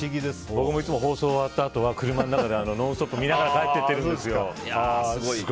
僕もいつも放送終わったあと車の中で「ノンストップ！」見ながら帰ってるんですよ。